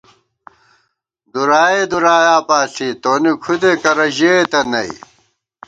دُرائےدُرایا پاݪی تونی کھُدے کرہ ژېتہ نئ